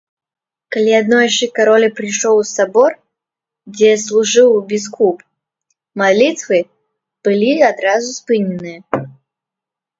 Калі аднойчы кароль прыйшоў у сабор, дзе служыў біскуп, малітвы былі адразу спыненыя.